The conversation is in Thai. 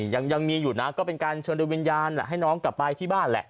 ยังมีอยู่นะก็เป็นการเชิญโดยวิญญาณให้น้องกลับไปที่บ้านแหละ